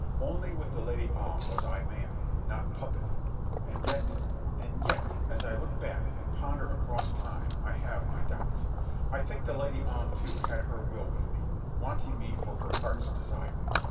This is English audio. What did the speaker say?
Only with the Lady Om was I man, not puppet ... and yet, and yet, as I look back and ponder across time, I have my doubts. I think the Lady Om, too, had her will with me, wanting me for her heart's desire.